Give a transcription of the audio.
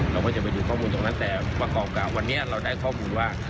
เราก็จะไปดูข้อมูลตรงนั้นแต่ประกอบกับวันนี้เราได้ข้อมูลว่า